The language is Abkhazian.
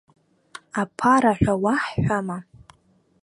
Аԥараҳәа уаҳҳәама?